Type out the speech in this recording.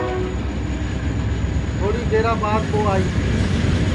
تھوڑی دیرا بعد ٻو آئی